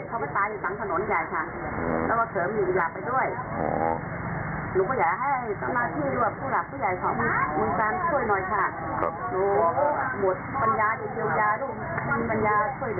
หมดปัญญาดีมีปัญญาช่วยเหลือแล้วค่ะ